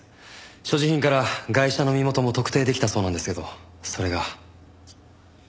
所持品からガイシャの身元も特定できたそうなんですけどそれが。